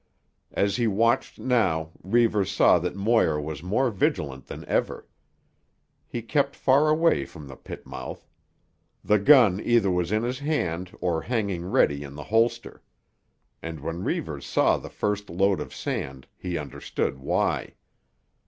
As he watched now, Reivers saw that Moir was more vigilant than ever. He kept far away from the pit mouth. The gun either was in his hand or hanging ready in the holster. And when Reivers saw the first load of sand he understood why.